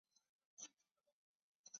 目前连同孔庙和碑林建筑对外开放。